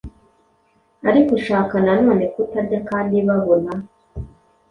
Ariko ushaka nanone kutarya kandi babona